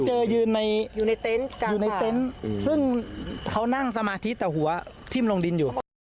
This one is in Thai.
ช่วยอยู่ในเต้นซึ่งเขานั่งสมาธิตแต่หัวทิ้งลงดินอยู่